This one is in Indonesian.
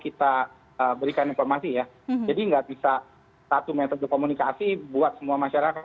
kalau kita berikan informasi ya jadi nggak bisa satu metode komunikasi buat semua masyarakat